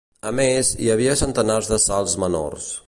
A més, hi havia centenars de salts menors.